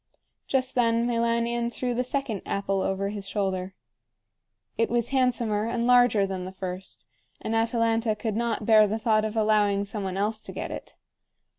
Just then Meilanion threw the second apple over his shoulder. It was handsomer and larger than the first, and Atalanta could not bear the thought of allowing some one else to get it.